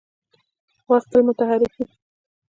باز تل متحرک وي